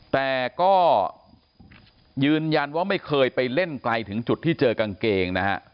แต่ก็ยืนยันว่าไม่เคยไปเล่นไกลถึงจุดที่เจอกางเกงนะฮะ